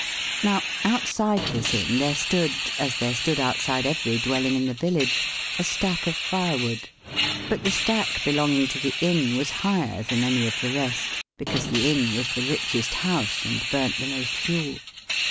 Now, outside this Inn, there stood, as there stood outside every dwelling in the village, a stack of firewood; but the stack belonging to the Inn was higher than any of the rest, because the Inn was the richest house, and burnt the most fuel.